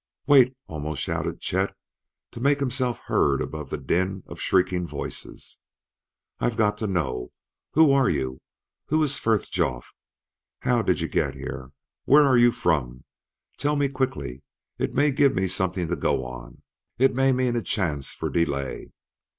"Wait!" almost shouted Chet to make himself heard above the din of shrieking voices. "I've got to know! Who are you? Who is Frithjof? How did you get here? Where are you from? Tell me quickly! It may give me something to go on; it may mean a chance for delay."